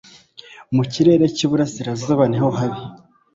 Mu kirere cy'iburasirazuba niho habi